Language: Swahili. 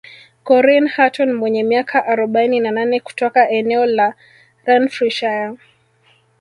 Corinne Hutton mwenye miaka arobaini na nane kutoka eneo la Renfrewshire